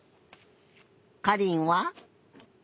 かりんは？